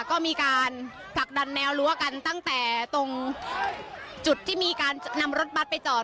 ก็มีการผลักดันแนวรั้วกันตั้งแต่ตรงจุดที่มีการนำรถบัตรไปจอด